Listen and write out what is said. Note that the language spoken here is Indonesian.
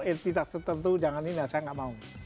yang tidak tertentu jangan ini saya gak mau